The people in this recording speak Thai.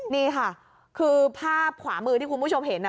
นี่ค่ะคือภาพขวามือที่คุณผู้ชมเห็นน่ะ